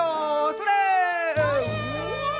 それ！